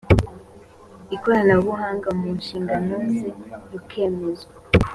ikoranabuhanga mu nshingano ze rukemezwa